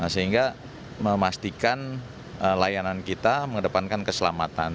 sehingga memastikan layanan kita mengedepankan keselamatan